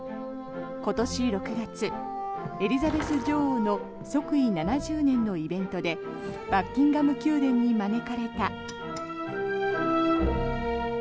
今年６月、エリザベス女王の即位７０年のイベントでバッキンガム宮殿に招かれた。